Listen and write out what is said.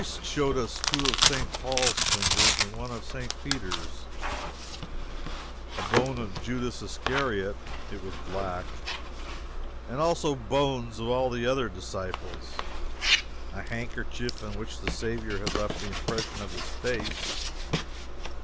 The priests showed us two of St. Paul's fingers, and one of St. Peter's; a bone of Judas Iscariot, (it was black,) and also bones of all the other disciples; a handkerchief in which the Saviour had left the impression of his face.